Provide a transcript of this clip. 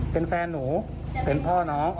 เป็นแฟนหนูเป็นพ่อน้อง